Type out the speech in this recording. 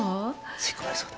吸い込まれそうだ。